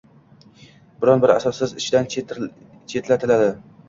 biron bir asossiz ishdan chetlatiladi.